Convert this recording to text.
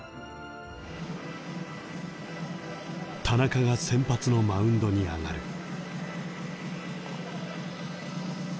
田中が先発のマウンドに上がる。